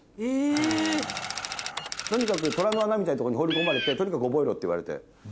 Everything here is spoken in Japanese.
とにかく虎の穴みたいなとこに放り込まれてとにかく覚えろって言われて。